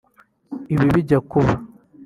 Ibi bijya kuba